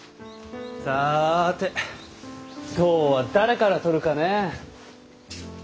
さて痘は誰からとるかね。